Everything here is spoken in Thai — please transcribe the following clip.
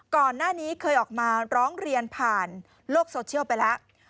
ก่อนหน้านี้เคยออกมาร้องเรียนผ่านโลกโซเชียลไปแล้ว